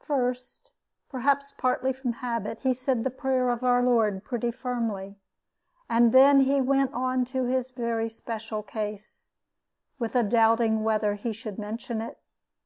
First (perhaps partly from habit), he said the prayer of Our Lord pretty firmly, and then he went on to his own special case, with a doubting whether he should mention it.